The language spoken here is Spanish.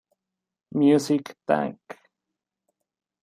Music Tank.